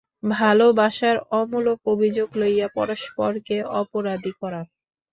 ভালোবাসার অমূলক অভিযোগ লইয়া পরস্পরকে অপরাধী করা।